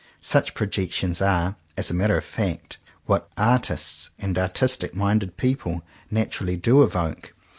Such projections are, as a matter of fact, what artists and artistic minded people naturally do evoke.